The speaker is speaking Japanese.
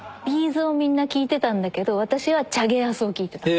′ｚをみんな聴いてたんだけど私はチャゲアスを聴いてた。